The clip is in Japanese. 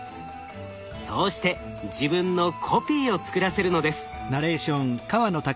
そうして自分のコピーを作らせるのです。